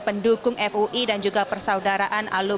pendukung fui dan juga persaudaraan alumni